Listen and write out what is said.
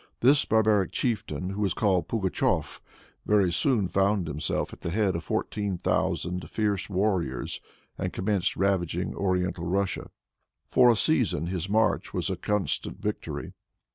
This barbaric chieftain, who was called Pugatshef, very soon found himself at the head of fourteen thousand fierce warriors, and commenced ravaging oriental Russia. For a season his march was a constant victory.